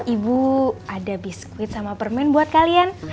ibu ada biskuit sama permen buat kalian